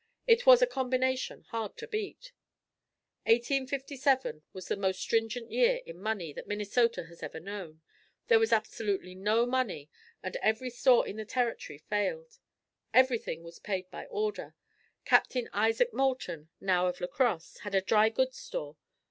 It was a combination hard to beat. 1857 was the most stringent year in money that Minnesota has ever known. There was absolutely no money and every store in the territory failed. Everything was paid by order. Captain Isaac Moulton, now of La Crosse, had a dry goods store.